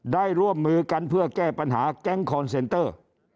ร่วมมือกันเพื่อแก้ปัญหาแก๊งคอนเซนเตอร์